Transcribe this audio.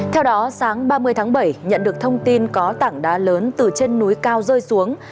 theo đó sáng ba mươi tháng bảy nhận được thông tin có tảng đá lớn từ trên núi cao rơi xuống